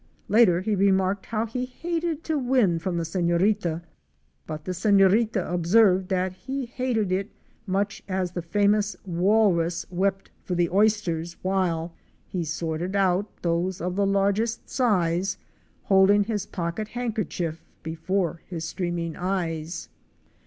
Later he remarked how he hated to win from the sefiorita — but the sefiorita observed that he hated it much as the famous walrus wept for the oysters while —"«... he sorted out Those of the largest size, Holding his pocket handkerchief Before his streaming eyes."